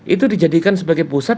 itu dijadikan sebagai pusat